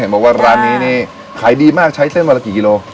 บอกว่าร้านนี้นี่ขายดีมากใช้เส้นวันละกี่กิโล